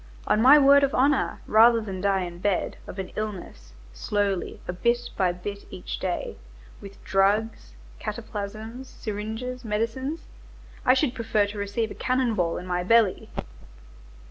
On my word of honor, rather than die in bed, of an illness, slowly, a bit by bit each day, with drugs, cataplasms, syringes, medicines, I should prefer to receive a cannon ball in my belly!"